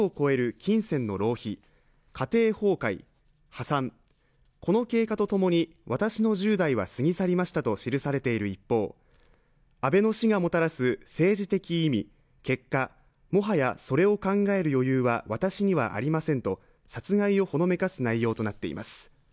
手紙には母の入信から億を超える金銭の浪費、家庭崩壊、破産、この経過とともに私の１０代は過ぎ去りましたと記されている一方、安倍の死がもたらす政治的意味、結果、もはや、それを考える余裕は私にはありませんと殺害をほのめかす内容となっています。